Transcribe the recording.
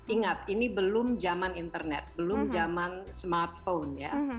ingat ini belum zaman internet belum zaman smartphone ya